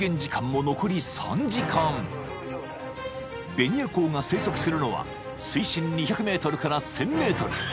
［ベニアコウが生息するのは水深２００ｍから１，０００ｍ］